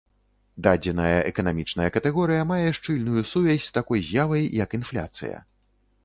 Дадзеная эканамічная катэгорыя мае шчыльную сувязь з такой з'явай, як інфляцыя.